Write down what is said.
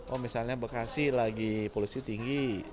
oh misalnya bekasi lagi polusi tinggi